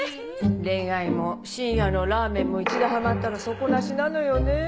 恋愛も深夜のラーメンも一度ハマったら底なしなのよね。